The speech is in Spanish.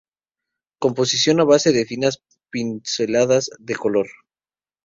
Composición a base de finas pinceladas de color.